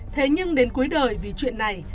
thế nhưng đến cuối đời vì chuyện này